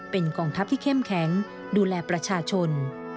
เป็นกองทัพที่เข้มแข็งดูแลประชาชน